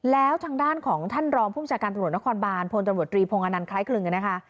แล้วทางด้านของท่านรองภูมิจาการตลอดนครบานพลตลอดรีพงษ์อานันต์คล้ายครึ่งกันนะคะ